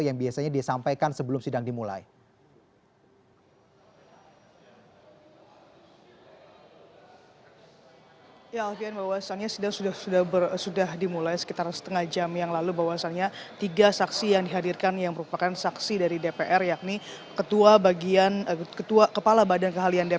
yang biasanya disampaikan sebelum sidang dimulai